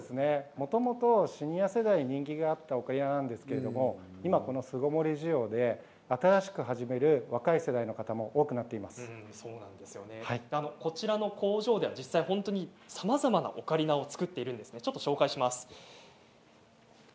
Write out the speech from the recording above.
もともとシニア世代に人気だったんですが巣ごもり需要で新しく始める若い世代の方がこちらの工場で実際にさまざまなオカリナを作っているんです紹介します。